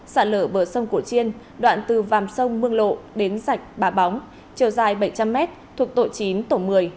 sạt lở bờ sông cổ chiên đoạn từ vàm sông mương lộ đến sạch bà bóng chiều dài bảy trăm linh m thuộc tổ chín tổ một mươi